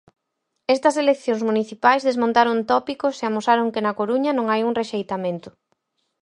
Estas eleccións municipais desmontaron tópicos e amosaron que na Coruña non hai un rexeitamento.